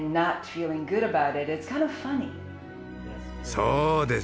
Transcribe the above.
そうです。